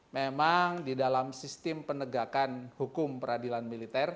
memang di dalam sistem penegakan hukum peradilan militer